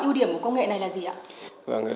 ưu điểm của công nghệ này là gì ạ